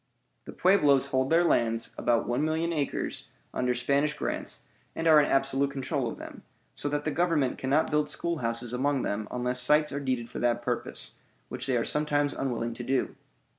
The Pueblos hold their lands (about 1,000,000 acres) under Spanish grants, and are in absolute control of them, so that the Government cannot build schoolhouses among them unless sites are deeded for that purpose, which they are sometimes unwilling to do.